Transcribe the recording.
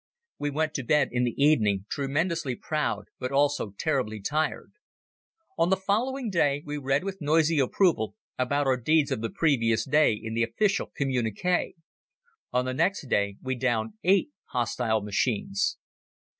We went to bed in the evening tremendously proud but also terribly tired. On the following day we read with noisy approval about our deeds of the previous day in the official communiqué. On the next day we downed eight hostile machines.